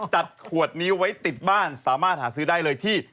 จัดขวดนี้ไว้ติดบ้านสามารถหาซื้อได้เลยที่